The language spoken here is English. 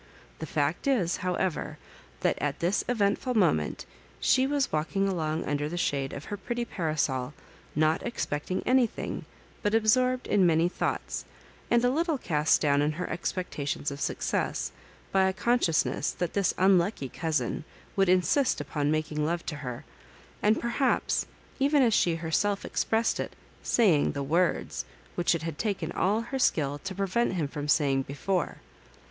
The fact is, however, that at this eventful moment she was Digitized by VjOOQIC 14 loss ICABJrOItlBANKS. walking along under the shade of her pretty parasol, not expecting anjrthing, but absorbed in many thoughts, and a little cast down in her expectations of success by a consciousness that this unlucky cousin would msist upon making lore to her, and perhaps, even as she herself ex pressed it, saying the words which it had taken all her skill to prevent him from saying before.